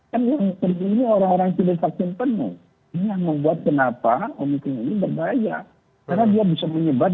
kemungkinan itu orang orang tidak vaksin penuh ini yang membuat kenapa omicron ini berbahaya karena dia bisa menyebabkan